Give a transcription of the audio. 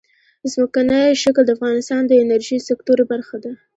ځمکنی شکل د افغانستان د انرژۍ سکتور برخه ده.